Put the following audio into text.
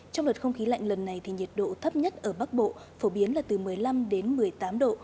trong đợt không khí lạnh lần này thì nhiệt độ thấp nhất ở bắc bộ phổ biến là từ một mươi năm đến một mươi tám độ